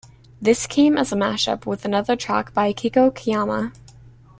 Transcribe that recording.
This came as a mashup with another track by Akiko Kiyama.